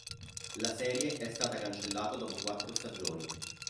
La serie è stata cancellata dopo quattro stagioni.